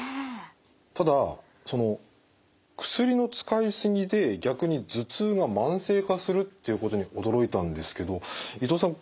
ただその薬の使い過ぎで逆に頭痛が慢性化するっていうことに驚いたんですけど伊藤さん